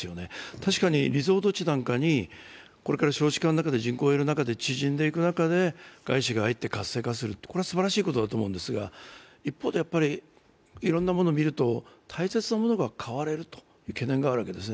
確かにリゾート地なんかに、これから少子化で人口が減る中縮んでいく中で外資が入って活性化していく、これはすばらしいことだと思うんですが、一方で、いろんなものを見ると、大切なものが買われるという懸念があるわけですね。